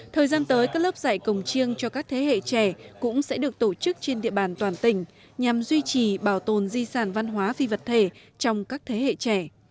thời gian tới các lớp dạy cồng chiêng cho các thế hệ trẻ cũng sẽ được tổ chức trên địa bàn toàn tỉnh nhằm duy trì bảo tồn di sản văn hóa phi vật thể trong các thế hệ trẻ